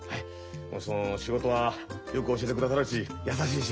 その仕事はよく教えてくださるし優しいし。